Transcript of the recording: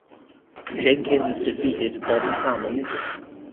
Jenkins defeated Bob Trammell.